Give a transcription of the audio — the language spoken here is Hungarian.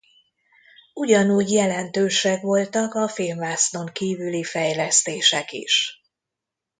Ugyanúgy jelentősek voltak a filmvásznon kívüli fejlesztések is.